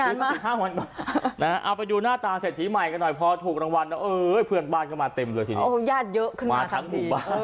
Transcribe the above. เอาไปดูหน้าตาเศรษฐีใหม่กันหน่อยพอถูกรางวัลเพื่อนบ้านก็มาเต็มด้วยทีนี้